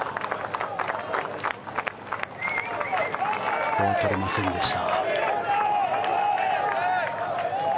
ここは取れませんでした。